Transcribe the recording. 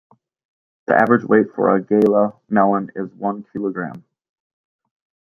The average weight for a Galia melon is one kilogram.